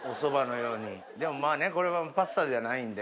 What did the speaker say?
でもまぁねこれはパスタではないんで。